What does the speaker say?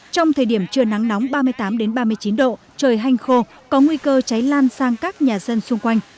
trong thời điểm trưa nắng nóng ba mươi tám ba mươi chín độ trời hanh khô có nguy cơ cháy lan sang các nhà dân xung quanh